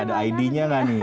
ada id nya nggak nih